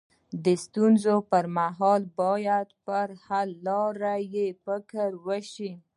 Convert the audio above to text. د ستونزي پر مهال باید پر حل لارو يې فکر وسي.